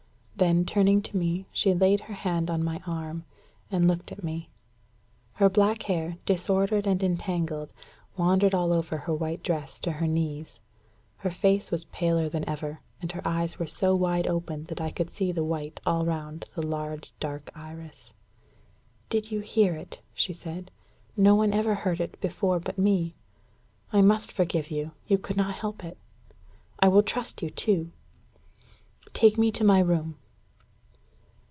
Then, turning to me, she laid her hand on my arm, and looked at me. Her black hair, disordered and entangled, wandered all over her white dress to her knees. Her face was paler than ever; and her eyes were so wide open that I could see the white all round the large dark iris. "Did you hear it?" she said. "No one ever heard it before but me. I must forgive you you could not help it. I will trust you, too. Take me to my room."